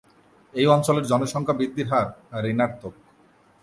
এই অঞ্চলের জনসংখ্যা বৃদ্ধির হার ঋণাত্মক।